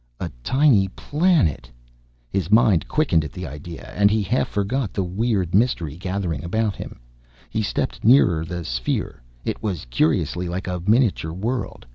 A tiny planet! His mind quickened at the idea, and he half forgot the weird mystery gathering about him. He stepped nearer the sphere. It was curiously like a miniature world.